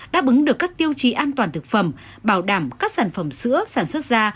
đáp ứng được các tiêu chí an toàn thực phẩm bảo đảm các sản phẩm sữa sản xuất da